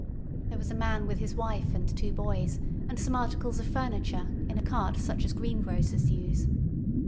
There was a man with his wife and two boys and some articles of furniture in a cart such as greengrocers use.